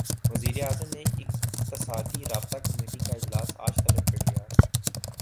وزیراعظم نے اقتصادی رابطہ کمیٹی کا اجلاس اج طلب کرلیا